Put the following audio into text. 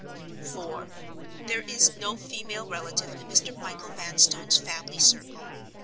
(4.) There is no female relative in Mr. Michael Vanstone's family circle.